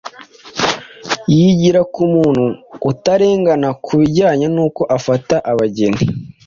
yigira ku muntu utarengana ku bijyanye nuko afata abageni